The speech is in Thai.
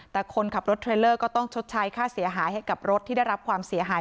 แต่คนขับรถเทรลเลอร์ก็ต้องชดใช้ค่าเสียหายให้กับรถที่ได้รับความเสียหาย